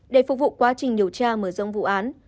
để phục vụ quá trình điều tra mở rộng vụ án